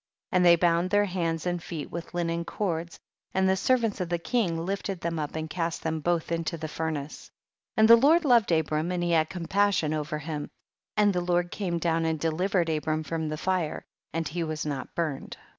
23. And they bound their hands and feet with linen cords, and the servants of the king lifted them up and cast them both into the furnace.* 24. And the Lord loved Abram and he had compassion over him, and the Lord came down and deliv ered Abram from the fire and he was not burned.